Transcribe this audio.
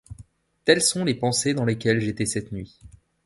Telles sont les pensées dans lesquelles j’étais cette nuit.